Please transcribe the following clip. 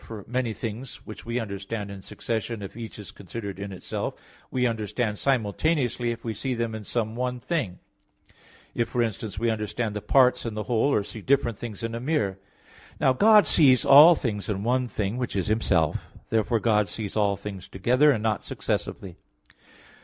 For many things, which we understand in succession if each is considered in itself, we understand simultaneously if we see them in some one thing; if, for instance, we understand the parts in the whole, or see different things in a mirror. Now God sees all things in one (thing), which is Himself. Therefore God sees all things together, and not successively.